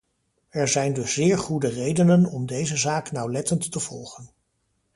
Er zijn dus zeer goede redenen om deze zaak nauwlettend te volgen.